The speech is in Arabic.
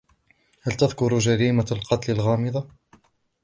هل تذكر جريمة القتل الغامضة ؟